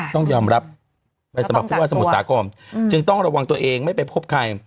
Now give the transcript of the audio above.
ต้องยอมรับไปสำหรับผู้ว่าสมุทรสาครจึงต้องระวังตัวเองไม่ไปพบใคร